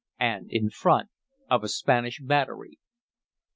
And in front of a Spanish battery!